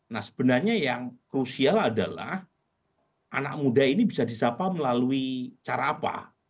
nah sebenarnya yang krusial adalah anak muda ini bisa disapa melalui cara apa